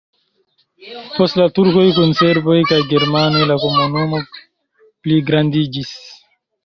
Post la turkoj kun serboj kaj germanoj la komunumo pligrandiĝis.